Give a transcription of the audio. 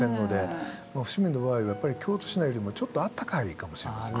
伏見の場合はやっぱり京都市内よりもちょっとあったかいかもしれません。